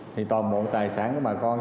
thì toàn bộ tài sản của bà con